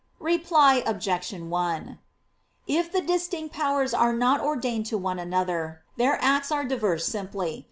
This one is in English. Reply Obj. 1: If the distinct powers are not ordained to one another, their acts are diverse simply.